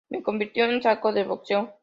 Me convirtieron en saco de boxeo.